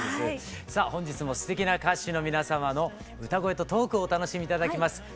さあ本日もすてきな歌手の皆様の歌声とトークをお楽しみ頂きます。